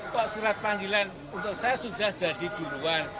kok surat panggilan untuk saya sudah jadi duluan